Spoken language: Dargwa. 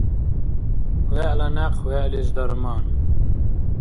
ВегӀла някъ — вегӀлис дарман.